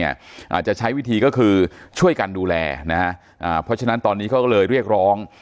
อาจจะใช้วิธีก็คือช่วยกันดูแลนะฮะอ่าเพราะฉะนั้นตอนนี้เขาก็เลยเรียกร้อง